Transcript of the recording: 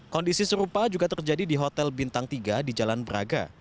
kondisi serupa juga terjadi di hotel bintang tiga di jalan braga